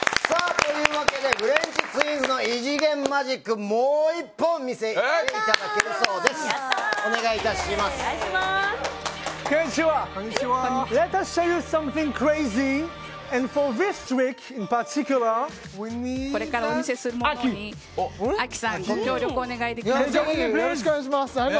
というわけでフレンチツインズの異次元マジックもう一本見せていただきましょう。